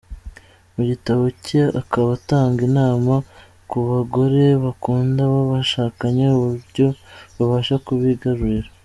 Mu gitabo cye akaba atanga inama ku bagore bakunda abo bashakanye uburyo babasha kubigarurira.